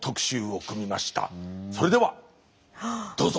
それではどうぞ！